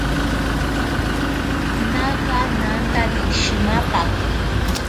Naaka antari shimapako.